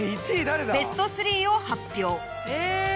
ベスト３を発表。